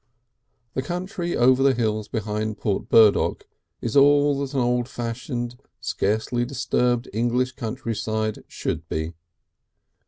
The country over the hills behind Port Burdock is all that an old fashioned, scarcely disturbed English country side should be.